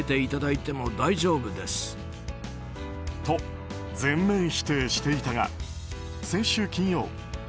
と、全面否定していたが先週金曜ＮＥＷＳ